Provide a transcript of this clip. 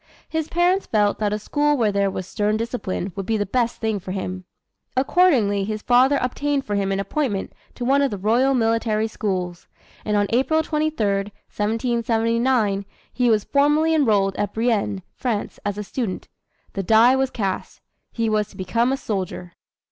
His parents felt that a school where there was stern discipline would be the best thing for him. Accordingly his father obtained for him an appointment to one of the royal military schools; and on April 23, 1779, he was formally enrolled at Brienne, France, as a student. The die was cast. He was to become a soldier.